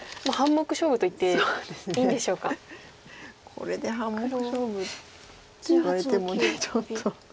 これで半目勝負って言われてもちょっと。